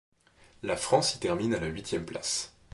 La France y termine à la huitième place.